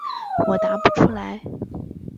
我答不出来。